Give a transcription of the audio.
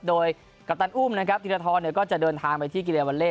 โดยกัปตันอุ้มตีรทธก็จะเดินทางไปที่กิเลวัลเล่